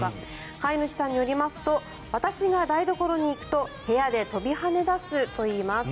飼い主さんによりますと私が台所に行くと部屋で跳びはね出すといいます。